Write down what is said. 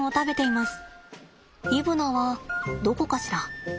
イブナはどこかしら。